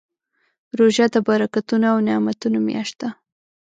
روژه د برکتونو او نعمتونو میاشت ده.